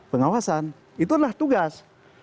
pengawasan itu adalah tugas